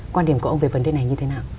quan điểm của ông về vấn đề này như thế nào